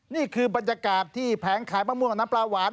นี่คือบรรยากาศที่แผงขายมะม่วงน้ำปลาหวาน